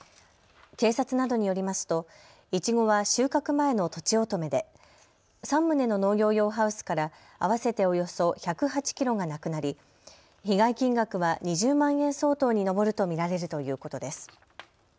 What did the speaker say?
警察などによりますといちごは収穫前のとちおとめで３棟の農業用ハウスから合わせておよそ１０８キロがなくなり被害金額は２０万円相当に上ると見られるということです。